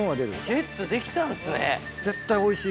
ゲットできたんですね。